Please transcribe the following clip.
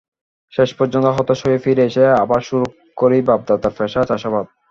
শেষ পর্যন্ত হতাশ হয়ে ফিরে এসে আবার শুরু করি বাপ-দাদার পেশা চাষাবাদ।